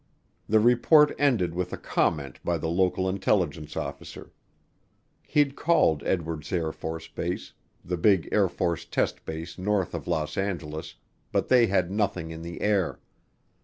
The report ended with a comment by the local intelligence officer. He'd called Edwards AFB, the big Air Force test base north of Los Angeles, but they had nothing in the air.